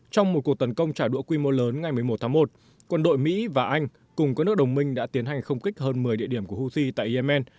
trong một cuộc tấn công trả đũa quy mô lớn ngày một mươi một tháng một quân đội mỹ và anh cùng các nước đồng minh đã tiến hành không kích hơn một mươi địa điểm của houthi tại yemen